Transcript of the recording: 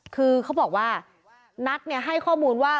คือเขาบอกว่านัทให้ข้อมูลว่า